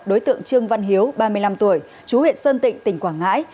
đối tượng trương văn hiếu ba mươi năm tuổi chú huyện sơn tịnh tỉnh quảng ngãi